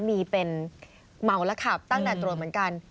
มีเป็นเมาแล้วขับตั้งแต่ตรวจเหมือนกัน